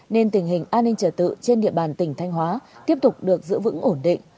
nên tình hình an ninh trở tự trên địa bàn tỉnh thanh hóa tiếp tục được giữ vững ổn định